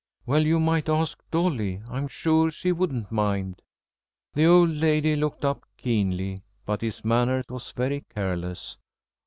"Well, you might ask Dolly; I'm sure she wouldn't mind." The old lady looked up keenly, but his manner was very careless.